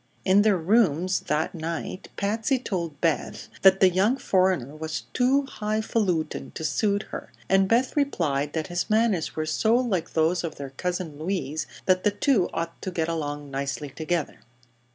In their rooms that night Patsy told Beth that the young foreigner was "too highfalutin' to suit her," and Beth replied that his manners were so like those of their Cousin Louise that the two ought to get along nicely together.